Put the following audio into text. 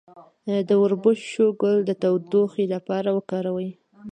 د وربشو ګل د تودوخې لپاره وکاروئ